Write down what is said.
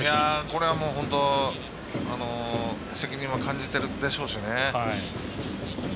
これは本当責任は感じてるでしょうしね。